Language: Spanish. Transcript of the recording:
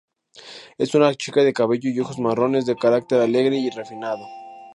Es una chica de cabello y ojos marrones, de carácter alegre y refinado.